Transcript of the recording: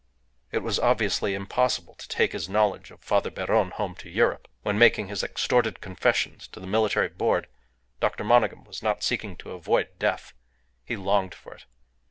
It was obviously impossible to take his knowledge of Father Beron home to Europe. When making his extorted confessions to the Military Board, Dr. Monygham was not seeking to avoid death. He longed for it.